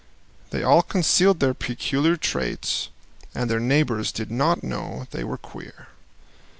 They all concealed their peculiar traits, and their neighbors did not know they were queer.